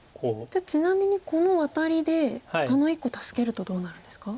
じゃあちなみにこのワタリであの１個助けるとどうなるんですか？